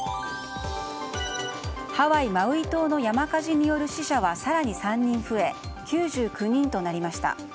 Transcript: ハワイ・マウイ島の山火事による死者は更に３人増え９９人となりました。